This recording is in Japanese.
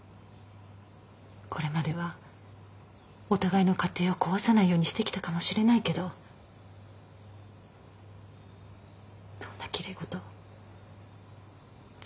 これまではお互いの家庭を壊さないようにしてきたかもしれないけどそんな奇麗事通用しなくなる。